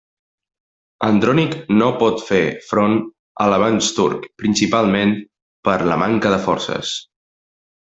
Andrònic no pot fer front a l'avanç turc, principalment per la manca de forces.